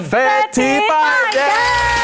เศรษฐีมายเจมส์